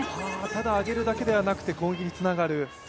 ただ上げるだけではなくて攻撃につながる。